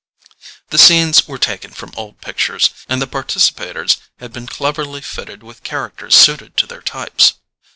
The scenes were taken from old pictures, and the participators had been cleverly fitted with characters suited to their types.